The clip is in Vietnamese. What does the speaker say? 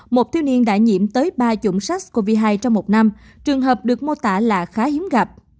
một thiếu niên đã nhiễm tới ba chủng sars cov hai trong một năm trường hợp được mô tả là khá hiếm gặp